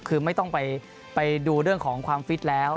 คือไม่ต้องไปดูเรื่องของความฟิตแล้ว